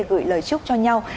để gửi lời chúc cho nhau